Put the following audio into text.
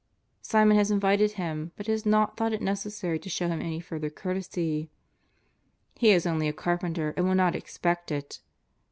Simon has invited Him, but has not thought it neces sary to show Him any further courtesy. He is only a carpenter and will not expect it.